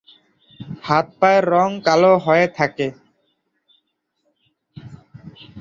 হাত-পায়ের রং কালো হয়ে থাকে।